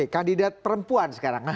kandidat perempuan sekarang